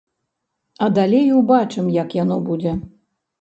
А далей убачым, як яно будзе.